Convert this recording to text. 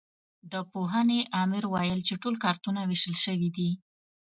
د پوهنې امر ویل چې ټول کارتونه وېشل شوي دي.